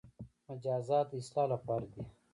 مجازات د اصلاح لپاره دي